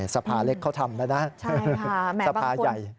สภาเล็กเขาทำแล้วนะสภาใหญ่